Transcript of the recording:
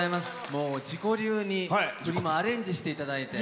もう自己流に振りもアレンジしていただいて。